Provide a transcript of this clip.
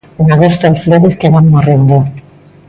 En 'Agosto' hai flores que van morrendo.